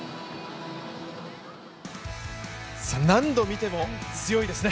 何度見ても強いですね。